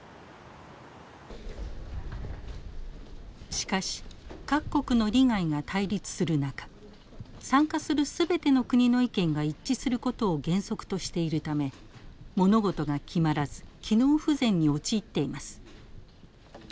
しかし各国の利害が対立する中参加する全ての国の意見が一致することを原則としているため物事が決まらず機能不全に陥っています。